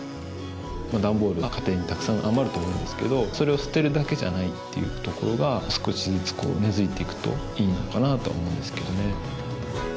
段ボールが家庭にたくさん余ると思うんですけどそれを捨てるだけじゃないっていうところが少しずつ根付いて行くといいのかなと思うんですけどね。